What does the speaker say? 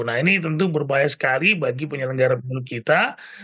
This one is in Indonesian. nah ini tentu berbahaya sekali bagi penyelenggara pemilu kita